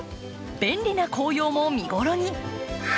便利な紅葉も見頃に。